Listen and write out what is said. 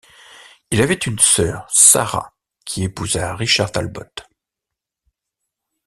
Il avait une sœur, Sarah, qui épousa Richard Talbot.